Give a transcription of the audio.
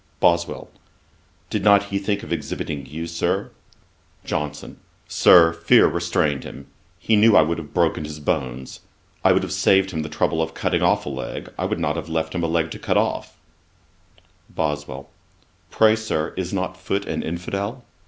BOSWELL. 'Did not he think of exhibiting you, Sir?' JOHNSON. 'Sir, fear restrained him; he knew I would have broken his bones. I would have saved him the trouble of cutting off a leg; I would not have left him a leg to cut off.' BOSWELL. 'Pray, Sir, is not Foote an infidel?'